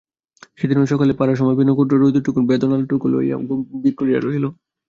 সেদিনও সকালে পড়ার সময় বেণু ক্ষুদ্র হৃদয়টুকুর বেদনা লইয়া মুখ গম্ভীর করিয়া রহিল।